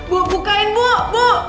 bu bukain bu